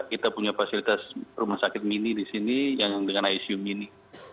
kita punya fasilitas rumah sakit mini di sini yang dengan icu mini